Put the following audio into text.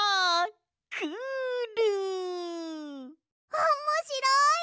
おもしろい！